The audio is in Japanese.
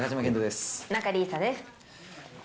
仲里依紗です。